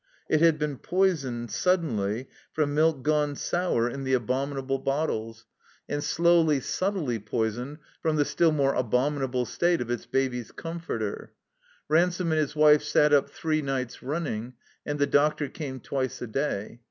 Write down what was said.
It had been poisoned, suddenly, from milk gone sour in the abominable 176 THfe COMBINED MAZE bottles, and slowly, subtly poisoned from the still more abominable state of its Baby's Comforter. Ransome and his wife sat up three nights running, and the doctor came twice a day.